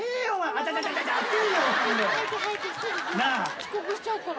遅刻しちゃうから。